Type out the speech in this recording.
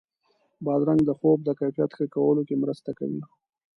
بادرنګ د خوب د کیفیت ښه کولو کې مرسته کوي.